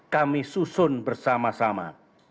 kami susun bersama sama